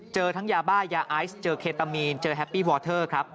เจอทั้งยาบ้ายาไอซ์เจอเคตามีนเจอแฮปปี้วอเทอร์ครับ